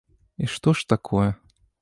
І што ж такое.